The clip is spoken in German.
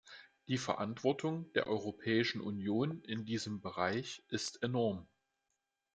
Die Verantwortung der Europäischen Union in diesem Bereich ist enorm.